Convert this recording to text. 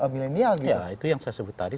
milenial gitu itu yang saya sebut tadi